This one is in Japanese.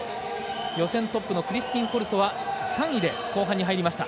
予選トップのクリスピンコルソは３位で後半に入りました。